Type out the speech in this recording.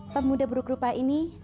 pemuda buruk rupa ini